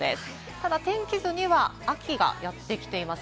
ただ天気図には秋がやってきています。